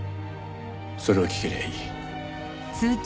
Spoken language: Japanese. それを聞けりゃいい。